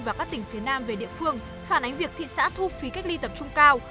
và các tỉnh phía nam về địa phương phản ánh việc thị xã thu phí cách ly tập trung cao